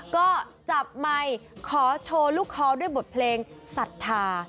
ก็จับไมค์ขอโชว์ลูกคอด้วยบทเพลงศรัทธา